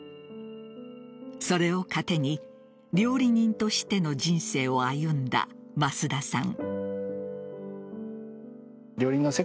それを糧に料理人としての人生を歩んだ増田さん。